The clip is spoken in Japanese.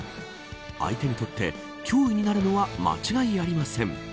相手にとって脅威になるのは間違いありません。